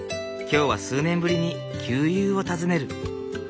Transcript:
今日は数年ぶりに旧友を訪ねる。